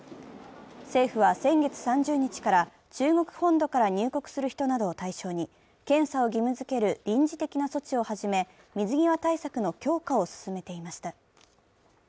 政府は先月３０日から中国本土から入国する人などを対象に、検査を義務づける臨時的な措置をはじめ、水際対策の強化を進めていました。